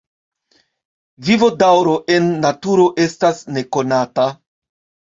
Vivodaŭro en naturo estas nekonata.